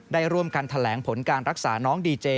ได้ร่วมกันแถลงผลการรักษาน้องดีเจ